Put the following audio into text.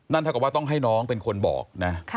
นั่นถ้าก็ว่าต้องให้น้องเป็นคนบอกนะ